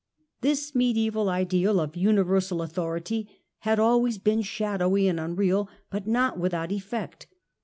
This mediaeval ideal of universal authority had always been shadowy and unreal, but not without effect.